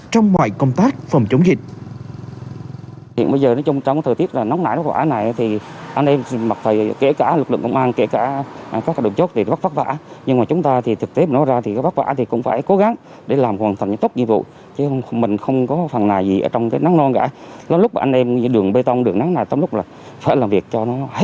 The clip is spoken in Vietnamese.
trong ngoại công tác phòng chống dịch